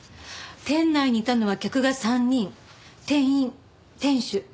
店内にいたのは客が３人店員店主計５人。